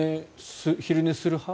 昼寝する派？